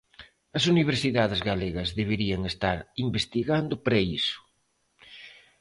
As universidades galegas deberían estar investigando para iso.